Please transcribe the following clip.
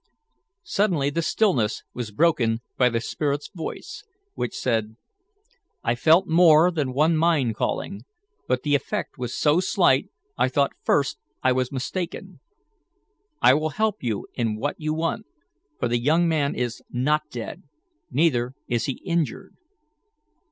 Suddenly the stillness was broken by the spirit's voice, which said: "I felt more than one mind calling, but the effect was so slight I thought first I was mistaken. I will help you in what you want, for the young man is not dead, neither is he injured."